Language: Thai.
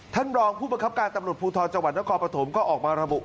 ท่านรองผู้บัญชาการตำรวจภูทธาวร์จังหวัดน้องคอปฐมก็ออกมาระบุว่า